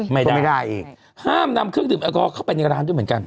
ไม่ได้ไม่ได้อีกห้ามนำเครื่องดื่มแอลกอฮอลเข้าไปในร้านด้วยเหมือนกัน